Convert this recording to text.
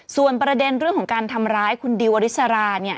ส่วนประเด็นเรื่องของการทำร้ายคุณดิวอริสราเนี่ย